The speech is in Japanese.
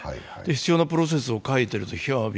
必要なプロセスを欠いていると。